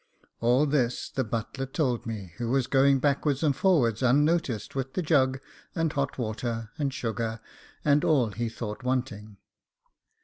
All this the butler told me, who was going backwards and forwards unnoticed with the jug, and hot water, and sugar, and all he thought wanting.